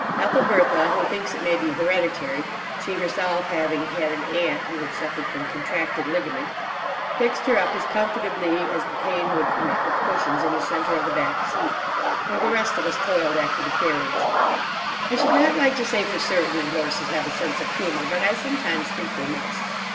Ethelbertha, who thinks it may be hereditary—she herself having had an aunt who had suffered from contracted ligament—fixed her up as comfortably as the pain would permit with cushions in the centre of the back seat; and the rest of us toiled after the carriage. I should not like to say for certain that horses have a sense of humour, but I sometimes think they must.